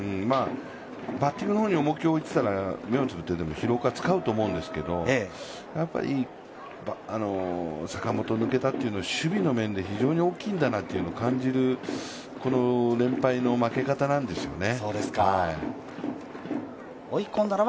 バッティングに重きを置いてたら目をつぶってても廣岡を使うと思うんですけど、坂本が抜けたというのは守備の面で非常に大きいんだなというのを感じる連敗の負け方なんですよね。